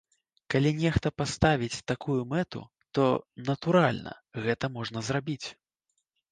Калі нехта паставіць такую мэту, то, натуральна, гэта можна зрабіць.